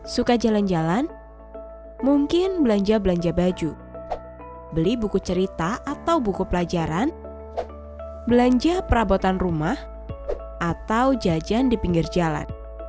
suka jalan jalan mungkin belanja belanja baju beli buku cerita atau buku pelajaran belanja perabotan rumah atau jajan di pinggir jalan